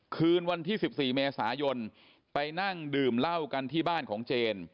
คืนวันที่๑๔เมษายนไปนั่งดื่มเหล้ากันที่บ้านของเจน